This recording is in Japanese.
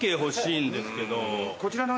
こちらの。